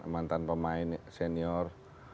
mantan pemain senior